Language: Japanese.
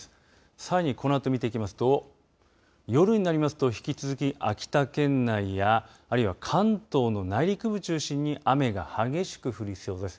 さらにこのあと見ていきますと夜になりますと、引き続き秋田県内やあるいは関東の内陸部中心に雨が激しく降りそうです。